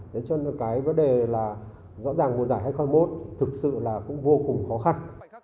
thế cho nên cái vấn đề là rõ ràng mùa giải hai nghìn hai mươi một thực sự là cũng vô cùng khó khăn